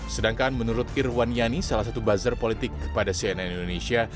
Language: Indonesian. sedangkan menurut irwan yani salah satu buzzer politik kepada cnn indonesia